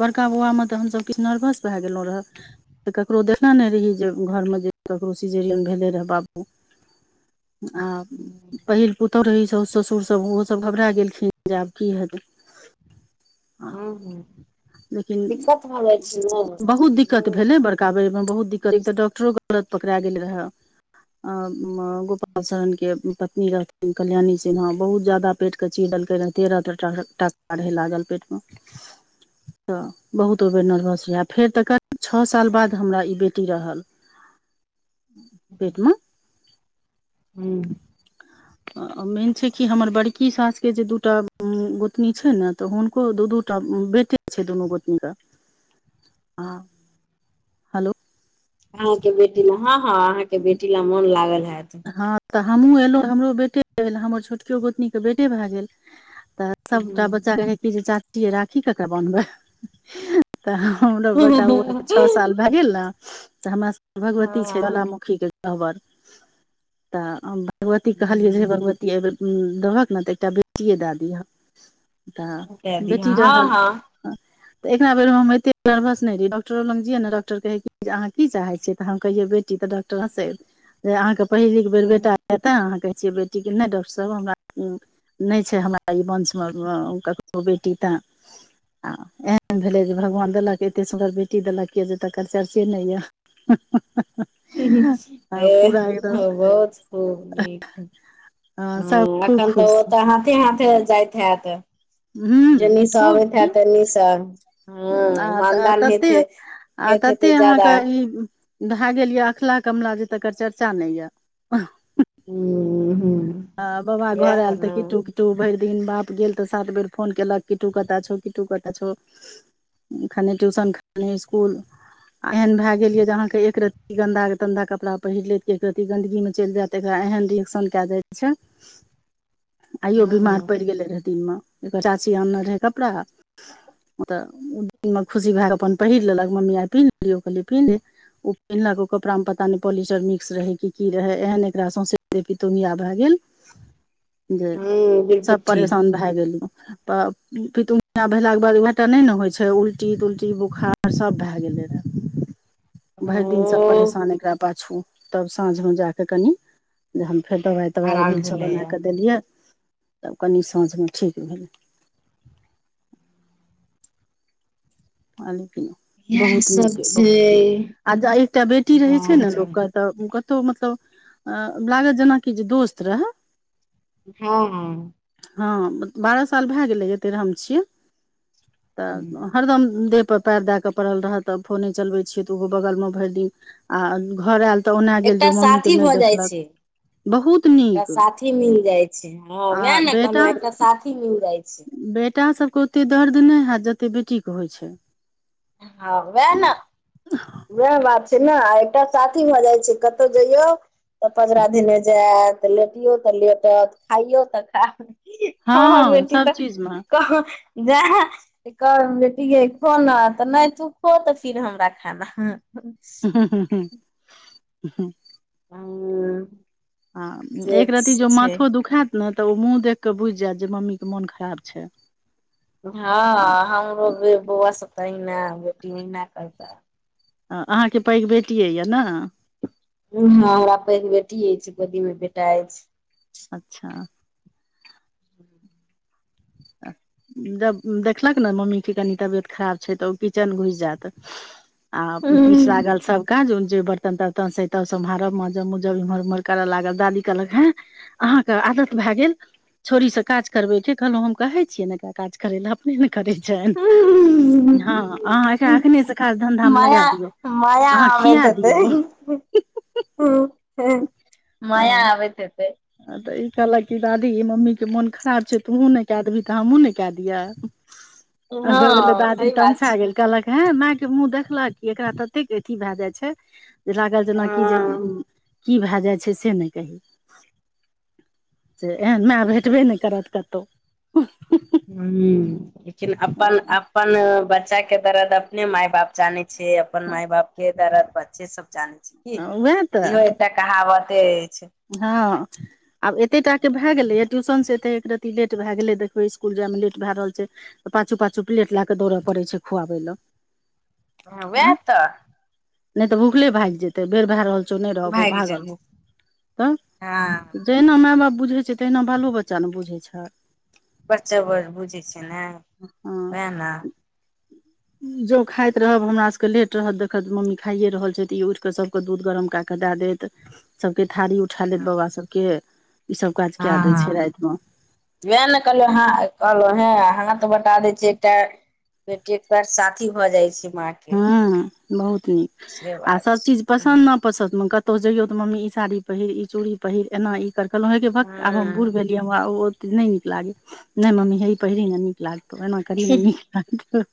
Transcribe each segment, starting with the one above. बड़का बौआमे तऽ हमस कि नर्वस भए गेलौ रह। तऽ ककरो देखने रहि जे घरमे जे ककरो सिजेरियन भेलै रहै बाबू आ हँ पहिल पुतहु रही साउसु ससुर ओहोसब घबरा गेलखिन जे आब की हेतै हूँ हूँ लेकिन बहुत दिक्कत भेलै बड़ काबय मे बहुतदिक्कत ईत डॉक्टो गलतपकड़ा गेल रहेए अ गोपाल शरण के पत्नी रहथिन कल्याणी सिन्हा बहुत जादा पेट क चीर डलकै रह तेरह ते टाका रहे लागल पेट मे [inaudible] तऽ बहुत ओई बेर नर्वस रहै फेर तऽ करीब छ साल बाद हमरा ई बेटी रहल। [inaudible] पेटमे हूँ मेन छै कि हमर बड़की सासके जे दूटा गोतनी छै ने तऽ हुनको दू दू टा बेटे छै दुनू गोतनी के आ अहाँके बेटी ला हँ हँ अहाँके बेटी ला मोन लागल हएत हँ तऽ हमु एलौ हमरो बेटे भेल हमर छोटकियो गोतनीक के बेटे भए गेल तऽ सबटा बच्चा के चाची राखी ककरा बनबै तऽ हमरो बरकार बौआ के हँ छ साल भए गेल न तऽ हमरा सबके भगवती छै ज्वालामुखी के गबर तऽ भगवती कहलियै जे हे भगवती आब दबहक ने तऽ एकटा बेटिए दए दिहऽ दे दी ह हँ हँ तऽ एकरा बेर हम एते नर्वस नै रहीयै डॉक्टर लग जाये ने डॉक्टर कहै कि अहाँ की चाहैयै तऽ हम कहियै बेटी त डॉट ट से अहाँके पहिलीक बेर बेटा एतय अहाँ कहै छियै बेटीे नै डॉक्टर सब हमरा नै छै हमरा ई वंशमे ककरो बेटी तऽँ आ एहन भेलै जे भगवान देलक एतेक सुन्दर बेटी देलक यए जे तकर चर्चे नै यए [unintelligible] [unintelligible] एकदम बहुत खूब नीक ह सब खूब एखन तऽ खुश ओतऽ हाथे हाथे जाए हेत ह जन्नीसँ खूब अबैत की हैत ओनीसँ आ तऽ ततें आ हेत ततें हेतै जादा अहाँके ह ई भए गेल यए अखला कमला जे तकर चर्चा नै यए हूँ हूँ आ बाबा घर आयल तऽ किटु किट टु भैर दिन बाप गेल तऽ सात बेर फोन केलक किटु कत छौ किटु कत छौ खने ट्यूशन खने इसकुल आ एहन भेय गेल या जे अहा के एक रतती गन्दा तन्दा कपड़ा पहिर लैत की एक रतती गंदगी मे चइल जायत त एकरा एहन रिएक्शन के जाइ छै आइयो हँ बीमार हँ पइड़ गेलै रहय दिनमे एकर चाची आनने रहै कपड़ा तऽ ओ दिनमे खुशी भए कऽ अपन पहिर लेलक मम्मी आइ पिन्ह लियो कहलियै पिन्हले उ पिन्हलक ओ कपड़ा मे पता न पॉलिस्टर मिक्स रहे की की रहे एहेन एकरा सोउसे देह पितोंहिया भए गेल जे हूँ बिलकुल सब ठीक परेशान भेए गेलू तऽ पितुमिया भेलाके बाद उहाटा नइ ने होइ छै उल्टी तुल्टी बुखार सभ भए गेलै रहए [inaudible] भैर दिन सब ओ परेशान एकरा पाछू तब साँझमे जा कऽ कनि जे हम फेर दबाइ तबाइ आराम एभीलसभ भेलैए अनाए कऽ देलियै तब कनि साँझमे ठीक भेल [inaudible] इएह बहुत नीक सब य बहुत छै नीक आ एकटा बेटी रहे छै हँ ने चल लोक तऽ कतो मतलब लागत जेनाकि जे दोस्त रहै हँ हँ बारह साल भेए गेलैए तेरहम छियै तऽ हूँ। हरदम देह पर पैर दे क पड़ल रहत त फोने चलबे छियै तऽ ओहो बगल मे भेर दिन आ घर आयल तऽ ओना गेल एकटा जे मम्मी के साथी नहि भऽ जाइ देखलक छै बहुत एकटा नीक साथी मिल जाइ छै हँ आ वएह ने बेटा कहलहु एकटा साथी मिल जाइ छै बेटा सबके ओते दर्द नय हैत जते बेटी के होइ छै हँ वएह न उएह बात छै न एकटा साथी भऽ जाइ छै कतहु जइयौ तऽ पजरा धने जायत तऽ लेटियो तऽ लेटत खाइयो तऽ खा हमर हँ बेटी सब तऽ चीज मे कह जा कहबेन बेटीगे खो न तऽ नइ तू खो तऽ फिर हमरा खाना हँ [unintelligible] [unintelligible] [unintelligible] हँ से एक रति जो छै मथो दुखा न तऽ ओ मुँह देख कऽ बुइझ जायत जे मम्मीके मोन खराब छै आ हँ हमरो बौआ सब त अहिना बेटी मे अहिना करता अहाँके पैघ बेटिये य नै हँ हमरा पैघ बेटी ऐछ गेदी मे बेटा ऐछ अच्छा [inaudible] जब देखलक ने मम्मीके कनि तबियत खराब छै तऽ ओ किचन घुइस जायत [inaudible] आ हूं पीठ लागल सब काज जे बर्तन तर्तन तहन से त सम्हारब माँजब मँजब इम्हर उम्हर करऽ लागल दादी कहलक हेँ अहाँके आदत भए गेल छोरीसँ काज करबैके कहलहुँ हम कहै छियै एकरा काज करै लऽ अपने ने करै छ हँ अहाँ एकरा हूं एखनेसँ खास धन्धामे मया लगा दियौ अहाँ खिया दियौ माया आबेत हेतेय आ तऽ ई कहलक कि दादी ई मम्मीके मोन खराब छै तोहूँ नहि कए देबही तऽ हमहूँ ने नहि कए दियह [inaudible] अ तब भेलल हँ दादी सही तमस बात आ छै गेल कहलक हे मायके मुँह देखलक कि एकरा ततेक अथी भए जाइ छै जे लागल जेनाकि जे हँ की भए जाइ छै से नहि कही से एहन माय भेटबे नहि करत कतहु हु लेकिन अपन अपन बच्चा के दर्द अपने मााय बाप जानैत छै अपन मााय बाप के दर्द बच्चे सब जाने छै सब जानै छै उएह क तऽ इहो कहावते अछि हँ आब एते टााक के भए गेले य ट्यूशन से एते एक रतती लेट भय गेले देखियै स्कुल जाय मे लेट भए रहल छै तऽ पाछू पाछू प्लेट लए कऽ दौड़य पड़ैत छै खुआबै लए वएह आँ तऽ नहि तऽ भूखले भागि जेतै बेर भए रहल छौ नहि रहबौ भागि भागल जेतै ओ हँ जहिना मा बाप बुझै छै तहिना बालो बच्चा ने बुझै छैय बच्चा बड़ बुझै छै ने उएह ने जो खाइत रहब हमरा सब के लेट रहत देखत मम्मी खाइे रहल छै त ई उठ के सब के दूघ गरम कऽ के द देत सबके थारी उरी उठा लेले हँ बाबा सबके ई सब काज कऽ दय छै राति मे वाए ने कहलिये हाँ कहलौ हय हाथ बटा दै छै एकटा जेकर साथी भऽ जाय छै मा हाँ बहुत नीक आ बात सब चीज छै पसन्द न पसन्द हुनकर तो जैयौ ते मम्मी ई साड़ी पहिर, ई चूड़ी पहिर, एना ई कह देलौ हे गे भक आब हम हँ बूढ़ भेलिये। इ हमरा ओत ने नीक लागे ने मम्मी हेइ पहिरी नऽ नीक लागतौ एना करी नऽ नीक लागतौ।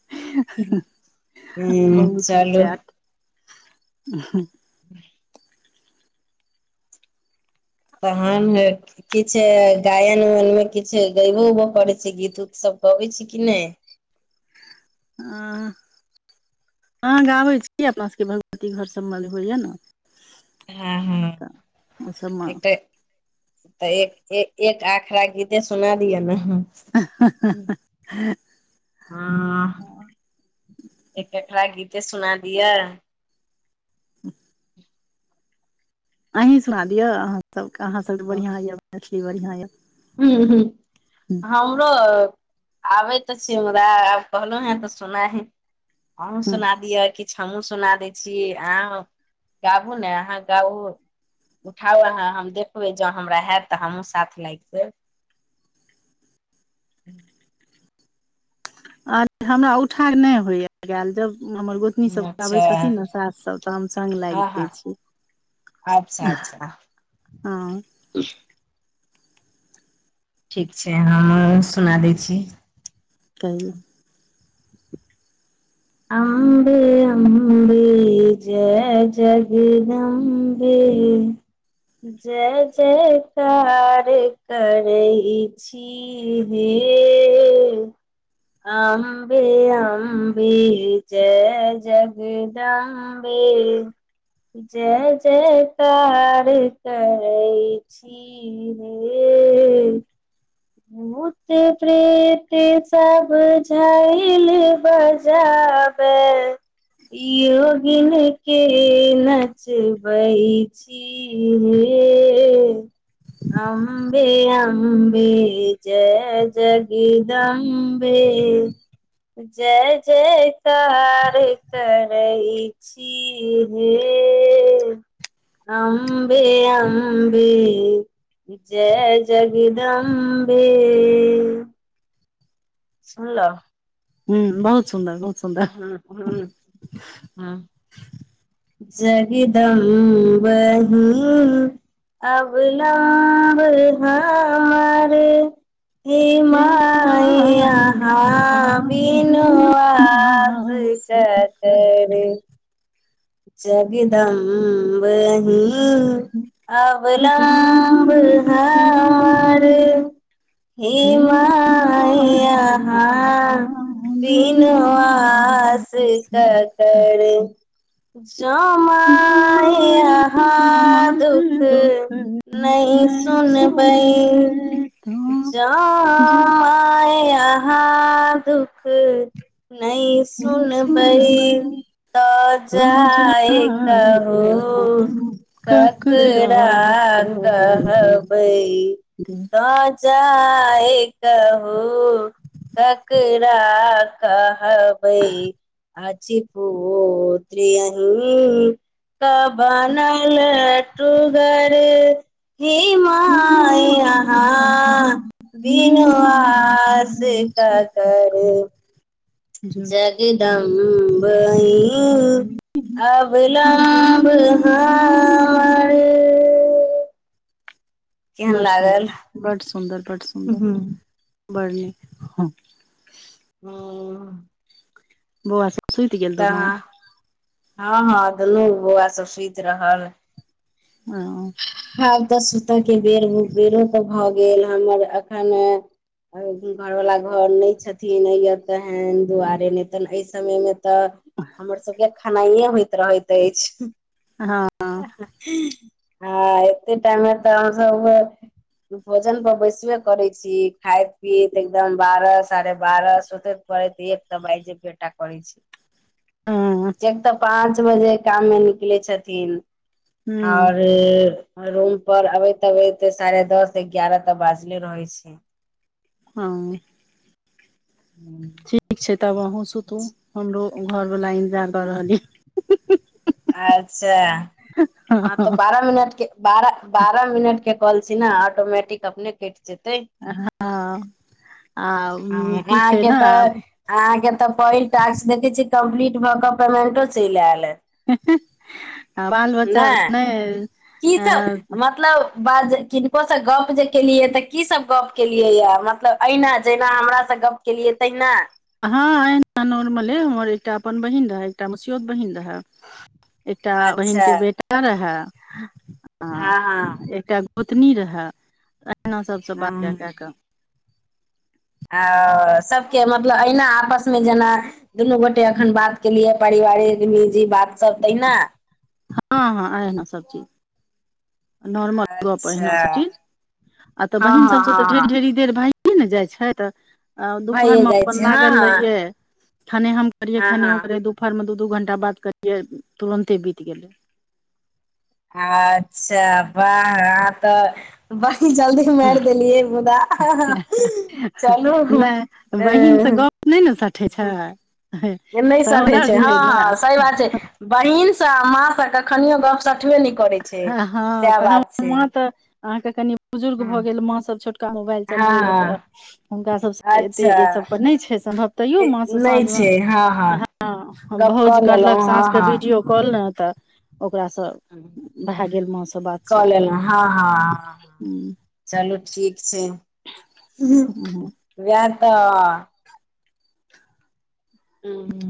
ह बहुत होइ चलू छै आट [unintelligible] तहन है किछ गायन उायन मे किछु गबो उबो करै छै गीत उत सब गबै छी कि नहि आ अहाँ गाबैत छी अपना सभके भगवती घर सभ्मे जे होइए नऽ हँ हँ ओहि सबमे एकटा ए एक एक एक आखरा गीते सुना दियौ नऽ। [unintelligible] हाँ एक एकरा गीते सुना दियाए। [unintelligible] अहैं सुना दिअ अहाँसभके अहाँशब्द बढ़ियाँ यए मैथिली बढ़ियाँ यए। हूँ- हूँ हमरो आबे ते छैय हमरा आब कहलों हें तऽ सुना है आहों हुँ सुना दिय किछ। कुछ हमूँ सुना दै छीं अहों गाबू नऽ अहाँ गाऊं। उठाउ अहां हम देखबे जों हमरा हायत तऽ हमूँ साथ लाएग जा [unintelligible] अ हमरा उठाल ने होया गाल जब हमर गोत नी सब अच्छा गाबे छथिन नऽ सास सब तऽ हम संग लाग हँ देय हँ छीये। अच्छा अच्छा। हँ ठीक छै हाँ सुना दै छी। कहू अम्बें - अम्बें जय जगदम् बें। जय - जयकार करै छी हे अम्बें - अम्बें जय जगदम्बें जय जयकार करै छी छी हें भूत - प्रेत सब झाइल बजार बे योगीन के नचबैं छी हे अम्बें अम्बें - अम्बें जय जगदम्बें जय जय कार करैं छी हे। अम्बें - अम्बें जय जगदम्बें। सुनलों। हुँ बहुत सुन्दर बहुत सुन्दर हूँ - हूँ हांँ। जगदम्बंहीं अवलम्बं हमर हें हे माय माइया अहाँ बिन बिनु आ आस ककर। जगदम्बंहीं बरहम अगलम अवलम्बं हमर बरहार हे माय माया अहां बिन बिनु आस ककर। जों माय माय अहाँ हाँ हमर दुख नेइ नहि सुनबैं सुनबै तऽ जखन जईय अहाँ दुःख नई सुनबै तऽ जाय ये कहू ककरा कहबै कहबइ हे तऽ जाय कहू ककरा कहबै अछि पोत्र अही कऽ बनल टूगर हे माय माया अहाँ बीनू बिनु पास ककर जगदम्ब अही जब बड अवलम्ब हमर केहन बड़ लागल सुन्दर बड सुन्दर बड़ सुन्दर हूँ बढ़ नीक हँ हुॅं बौआ सब ऽसुइत गेल तऽ दुनू हँ दुनू बौआ सब सुइत रहल हँ ह तऽ सुतऽ के बेर बेरो पर भऽ गेल हमर एखन भगब्ती घरवाला घर नै छथिन या तेेन दुआरे नै त एहि समय मे तऽ हमर सबके खेनाइए होइत रहैत अछि। हँ ह एते टा मैं तऽ हम सब उ भोजन पर बैसबे करै छी खाइत पीत एकदम बारह सारेह बारह सुतैत परैत एक‌ त बाईज जेबेटा करए छै हूँ जेतऽ पाँच बजे गामऽ निकले छथिन आऔर रूम पर अबैत अबैत सारेह दस एगारह तक बाजले रहै छै हँ [unintelligible] ठीक छै तब अहूँ सुतू हमरो घरवाला इंतजार क रहल यै अच्छा हँ तऽ बारह मिनटके बारह बारह मिनट के कोल छै ने ऑटोमेटिक अपने कैट जेतै हँ आ म की छै न अहां के तऽ पहिल टास्क देखे छी कम्प्लीट भ क पेमेंटो चईल ऐल हेंहें आ बाल बच्चा नई ईत हमर मतलब बाज किनको से गप जे केलियै तऽ की सब गप केलियै या मतलब एहिना जहिना हमरा स गप्प केलियै तहिना हँ एहिना नॉर्मले हमर एकटा अपन बहिन रहै एकटा मसियौत बहिन रहै एकटा बहिन अच्छा के बेटा रहै हँ हँ -आ-एकटा गोतनी रहै -अहिना सबसँ बात कए कए कऽ आ सभके मतलब अहिना आपसमे जेना दुनू गोटे एखन बात केलियै पारिवारि निजी बात सब तहिना हँ हँ आयहना सबचीज नॉर्मल गप्प एहिना अच्छा सब चीज -आ त हँ बहिन हँ सब सब हँ तऽ हँ ढेरी ढेरी देर भायए -ने जाइ छ्थ आऽ दुपहर- भइए मे जाइ अपन छै हँ लागल हँ रहियै खाने हम करियै हँ खने हँ ओ करियै दुपहरमे दू दू घण्टा बाद करियै तुरन्ते बीत गेलै अच्छा बाह आब तऽ बरी जल्दी माइर देलियै मुदा हाँ हाँ चलू ए नै न सठे छै नहि तहो सटै द छै दिए हँ ने हँ सही बात छै बहिन सँ आ माँ स कखनियो गप सठबे नै करे छै सएह बात छै अहाँ के कनी बुजुर्ग भऽ हँ गेल माँं सब छोटका मोबाइल हँ चलवई या तऽ हँ, हुनका सब सब एते अच्छा ई सब पर नै छै सम्भव तैयो ए, माँ स साँझ नहि मे छै हँ हँ ह गप भौउज कऽ करलक लेलहुँ साँझ हँ क हँ बीडियो खोलन तऽ ओकरा सँ बात [inaudible] सब कल ऐल ह ह हूँ [inaudible] चलू ठीक छै [inaudible] वएह तऽ [unintelligible]